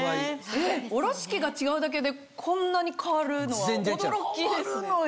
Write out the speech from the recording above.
おろし器が違うだけでこんなに変わるのは驚きですね。